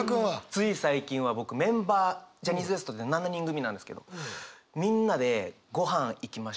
つい最近は僕メンバージャニーズＷＥＳＴって７人組なんですけどみんなでごはん行きまして。